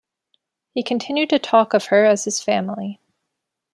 He continued to talk of her as his family.